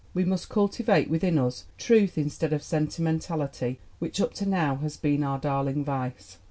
"We must cultivate within us truth instead of sentimentality, which up to now has been our darling vice."